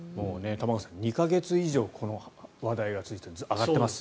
玉川さん、２か月以上この話題が続いているんです。